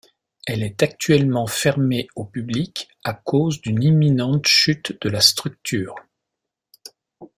Elle est actuellement fermée au public à cause d'une imminente chute de la structure.